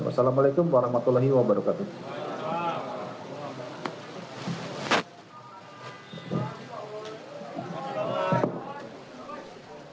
wassalamualaikum warahmatullahi wabarakatuh